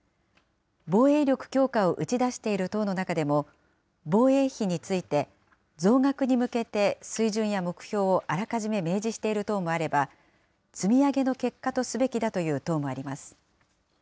防衛力強化を打ち出している党の中でも、防衛費について増額に向けて水準や目標をあらかじめ明示している党もあれば、積み上げの結果とすべきだという党もあります。